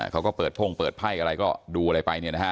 เขาก็เปิดพ่งเปิดไพ่อะไรก็ดูอะไรไปเนี่ยนะฮะ